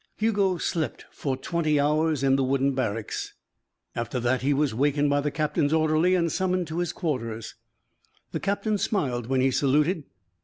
Hugo slept for twenty hours in the wooden barracks. After that he was wakened by the captain's orderly and summoned to his quarters. The captain smiled when he saluted.